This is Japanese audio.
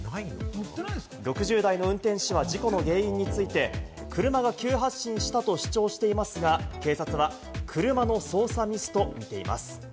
６０代の車の運転手は事故の原因について、車が急発進したと主張していますが、警察は車の操作ミスと見ています。